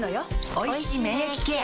おいしい免疫ケア